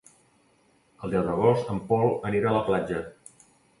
El deu d'agost en Pol anirà a la platja.